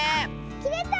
きれた！